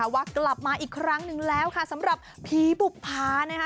ว่ากลับมาอีกครั้งหนึ่งแล้วค่ะสำหรับผีบุภานะคะ